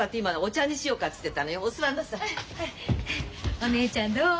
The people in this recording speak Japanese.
お姉ちゃんどう？